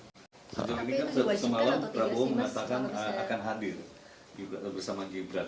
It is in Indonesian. jangan lupa setiap semalam prabowo mengatakan akan hadir bersama gibran